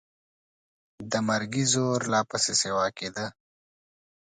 د مرګي زور لا پسې سیوا کېده.